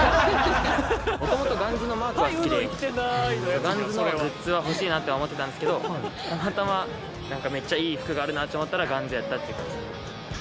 ガンズのグッズは欲しいなとは思ってたんですけどたまたまなんかめっちゃいい服があるなって思ったらガンズやったっていう感じ。